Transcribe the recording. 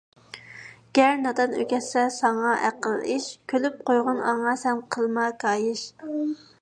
گەر نادان ئۆگەتسە ساڭا ئەقىل – ئىش، كۈلۈپ قويغىن ئاڭا سەن قىلما كايىش.